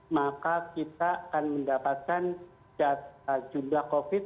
maka kita akan mendapatkan jumlah covid sembilan belas